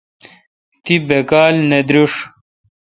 تی باکال نہ درݭ ۔